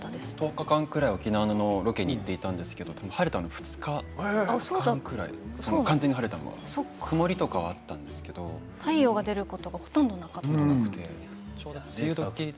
１０日間ぐらい沖縄ロケに行っていたんですけれども完全に晴れたのは２日ぐらいで曇りとかはあったんですけれど太陽が出ることがほとんどなくて。